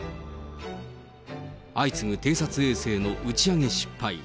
相次ぐ偵察衛星の打ち上げ失敗。